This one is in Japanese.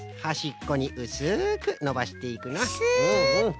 はしっこにうすくのばしていくのう。